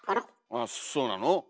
あそうなの？